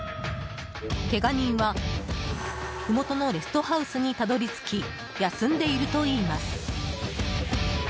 けが人はふもとのレストハウスにたどり着き休んでいるといいます。